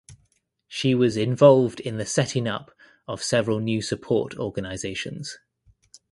She was involved in the setting up of several new support organisations.